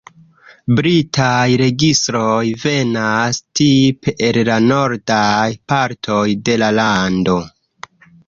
Britaj registroj venas tipe el la nordaj partoj de la lando.